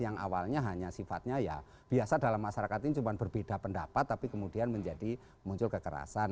yang awalnya hanya sifatnya ya biasa dalam masyarakat ini cuma berbeda pendapat tapi kemudian menjadi muncul kekerasan